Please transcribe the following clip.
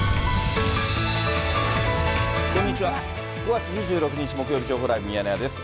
５月２６日木曜日、情報ライブミヤネ屋です。